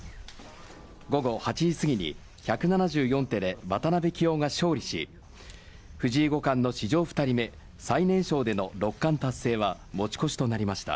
午後８時すぎに、１７４手で渡辺棋王が勝利し藤井五冠の史上２人目最年少での六冠達成は持ち越しとなりました。